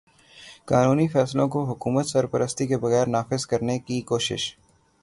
قانونی فیصلوں کو حکومتی سرپرستی کے بغیر نافذ کرنے کی کوشش